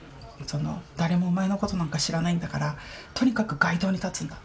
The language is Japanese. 「誰もお前のことなんか知らないんだからとにかく街頭に立つんだ」